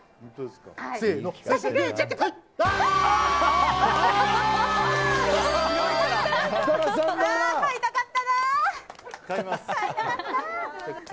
買いたかったな。